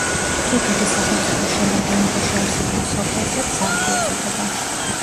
თურქეთის სახელმწიფოს შემადგენლობაში არსებულ სოფელსაც სარფი ეწოდება.